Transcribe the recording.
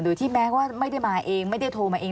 ที่แม้ว่าไม่ได้มาเองไม่ได้โทรมาเอง